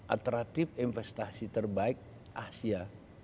atratif investasi terbaik asia